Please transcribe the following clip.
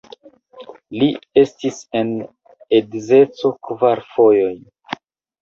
Li estis en edzeco kvar fojojn.